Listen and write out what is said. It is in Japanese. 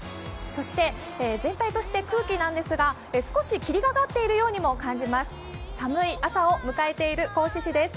そして、全体として、空気ですが、少し霧がかっているようにも感じます。